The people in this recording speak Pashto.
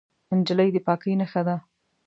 نجلۍ د پاکۍ نښه ده.